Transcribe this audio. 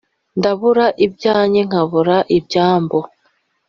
ndabura ibyange nkabura ibyambo